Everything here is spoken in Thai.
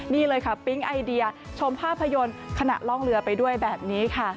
นี่เลยค่ะปิ๊งไอเดียชมภาพยนตร์ขณะล่องเรือไปด้วยแบบนี้ค่ะ